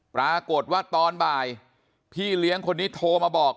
ปรากฏว่าตอนบ่ายพี่เลี้ยงคนนี้โทรมาบอก